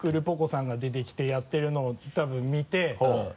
さんが出てきてやってるのを多分見て。